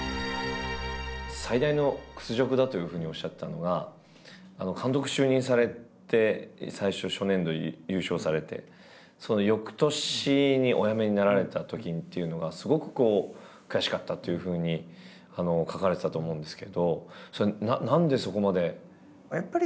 「最大の屈辱だ」というふうにおっしゃったのが監督就任されて最初初年度優勝されてその翌年にお辞めになられたときっていうのがすごく悔しかったというふうに書かれてたと思うんですけどそれは何でそこまで？